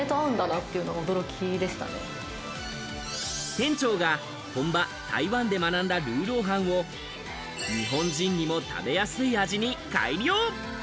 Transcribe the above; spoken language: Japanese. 店長が本場台湾で学んだルーローハンを日本人にも食べやすい味に改良。